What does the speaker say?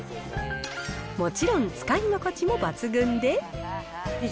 もちろん使い心地も抜群で。